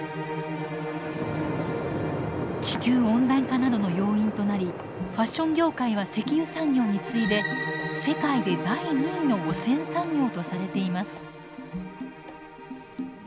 地球温暖化などの要因となりファッション業界は石油産業に次いで世界で第２位の汚染産業とされています。